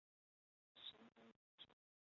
身高体重非常的接近